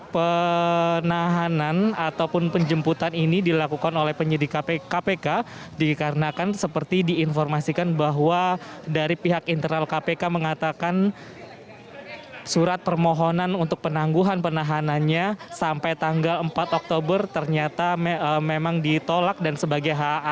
penahanan ataupun penjemputan ini dilakukan oleh penyidik kpk dikarenakan seperti diinformasikan bahwa dari pihak internal kpk mengatakan surat permohonan untuk penangguhan penahanannya sampai tanggal empat oktober ternyata memang ditolak dan sebagai ha